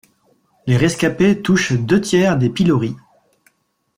Les rescapées touchent deux tiers des piloris.